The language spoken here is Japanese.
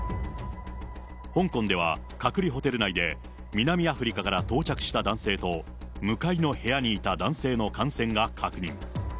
香港では隔離ホテル内で、南アフリカから到着した男性と、向かいの部屋にいた男性の感染が確認。